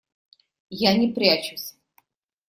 Я не прячусь.